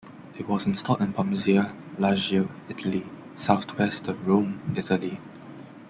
It was installed in Pomezia, Lazio, Italy; southwest of Rome, Italy.